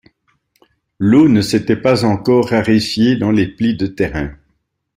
L’eau ne s’était pas encore raréfiée dans les plis de terrain.